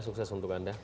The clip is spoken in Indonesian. sukses untuk anda